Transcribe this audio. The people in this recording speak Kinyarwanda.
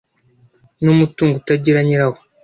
N umutungo utagira nyirawo